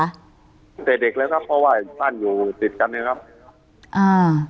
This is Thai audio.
ตั้งแต่เด็กแล้วครับเพราะว่าบ้านอยู่ติดกันเนี่ยครับอ่า